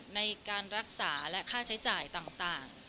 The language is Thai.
ในการรักษาและค่าใช้จ่ายต่าง